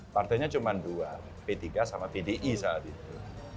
partainya cuma dua p tiga sama pdi saat itu